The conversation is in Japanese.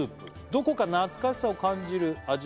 「どこか懐かしさを感じる味は」